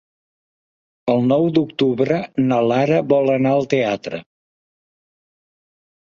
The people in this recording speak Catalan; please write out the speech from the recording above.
El nou d'octubre na Lara vol anar al teatre.